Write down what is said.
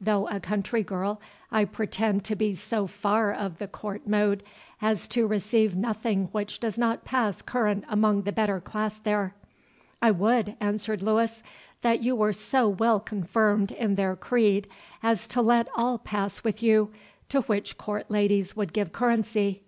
Though a country girl, I pretend to be so far of the court mode, as to receive nothing which does not pass current among the better class there." "I would," answered Louis, "that you were so well confirmed in their creed, as to let all pass with you, to which court ladies would give currency."